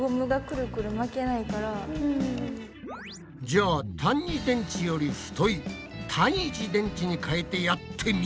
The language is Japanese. じゃあ単２電池より太い単１電池にかえてやってみますか。